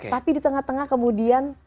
tapi di tengah tengah kemudian